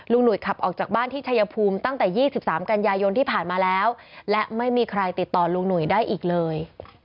หนุ่ยขับออกจากบ้านที่ชายภูมิตั้งแต่๒๓กันยายนที่ผ่านมาแล้วและไม่มีใครติดต่อลุงหนุ่ยได้อีกเลย